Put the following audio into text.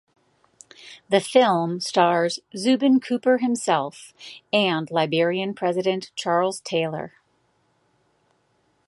The film stars Zubin Cooper himself and Liberian president Charles Taylor.